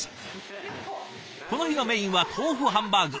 この日のメインは豆腐ハンバーグ。